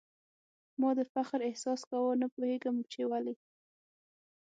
ما د فخر احساس کاوه ، نه پوهېږم چي ولي ؟